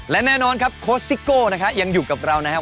และแน่นอนครับโค้ชซิโก้นะครับยังอยู่กับเรานะครับ